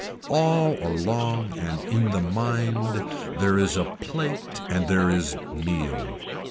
All along and in the mind there is a plate and there is meal.